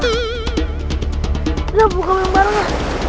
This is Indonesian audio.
udah buka yang barunya